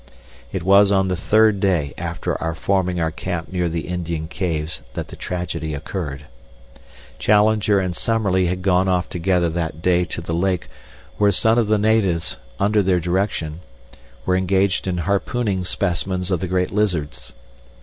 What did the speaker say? It was on the third day after our forming our camp near the Indian caves that the tragedy occurred. Challenger and Summerlee had gone off together that day to the lake where some of the natives, under their direction, were engaged in harpooning specimens of the great lizards.